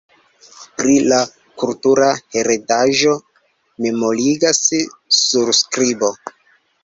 Pri la kultura heredaĵo memorigas surskribo.